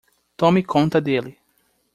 Tome conta dele.